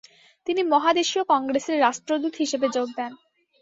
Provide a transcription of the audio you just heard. তিনি মহাদেশীয় কংগ্রেসের রাষ্ট্রদূত হিসেবে যোগ দেন।